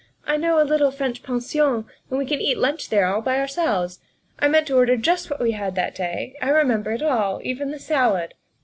I know a little French pension, and we can lunch there all by ourselves. I mean to order just what we had that day; I remember it all even the salad."